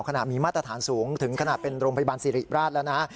ขณะมีมาตรฐานสูงถึงขนาดเป็นโรงพยาบาลสิริราชแล้วนะฮะ